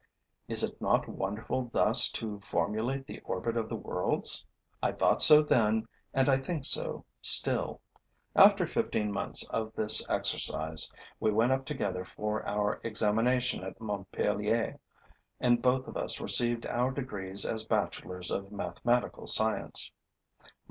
Is it not wonderful thus to formulate the orbit of the worlds? I thought so then and I think so still. After fifteen months of this exercise, we went up together for our examination at Montpellier; and both of us received our degrees as bachelors of mathematical science.